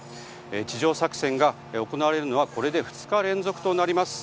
地上作戦が行われるのはこれで２日連続となります。